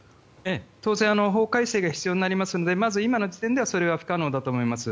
当然法改正が必要になりますので今の時点では不可能だと思います。